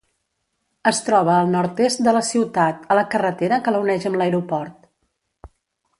Es troba al nord-est de la ciutat, a la carretera que la uneix amb l'aeroport.